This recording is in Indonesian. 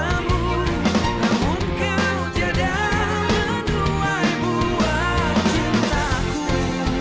namun kau tidak menduai buat cintaku